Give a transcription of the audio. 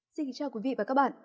xin chào quý vị và các bạn